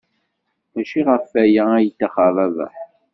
Maci ɣef waya ay yettaxer Rabaḥ.